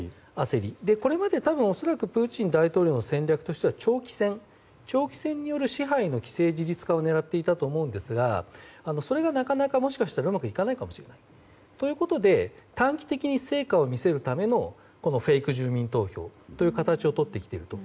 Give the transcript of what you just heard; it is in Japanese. これまで恐らくプーチン大統領の戦略としては長期戦による支配の事実化を狙っていたと思うんですがそれがなかなか、もしかしたらうまくいかないかもしれないということで、短期的に成果を見せるためのフェイク住民投票という形をとってきていると。